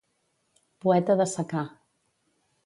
Poeta de secà.